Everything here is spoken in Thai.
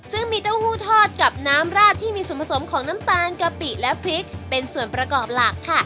ซึ่งมีเต้าหู้ทอดกับน้ำราดที่มีส่วนผสมของน้ำตาลกะปิและพริกเป็นส่วนประกอบหลักค่ะ